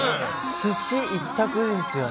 すし一択ですよね。